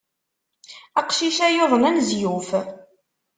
Aqcic-a yuḍen anezyuf.